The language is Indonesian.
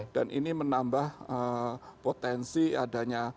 dan ini menambah potensi adanya